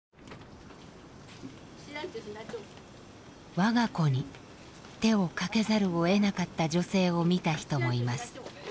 我が子に手をかけざるをえなかった女性を見た人もいます。